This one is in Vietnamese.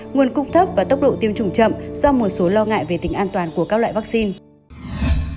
nguồn cung thấp và tốc độ tiêm chủng chậm do một số lo ngại về tính an toàn của các loại vaccine